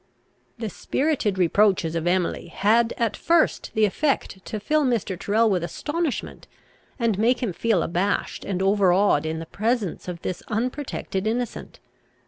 The spirited reproaches of Emily had at first the effect to fill Mr. Tyrrel with astonishment, and make him feel abashed and overawed in the presence of this unprotected innocent.